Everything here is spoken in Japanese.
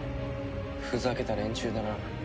ふざけた連中だな。